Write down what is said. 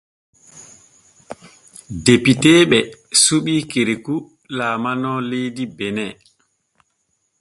Depiteeɓe suɓi Kerekou laalano leydi Benin.